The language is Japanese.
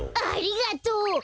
ありがとう！